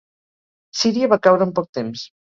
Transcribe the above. Síria va caure en poc temps.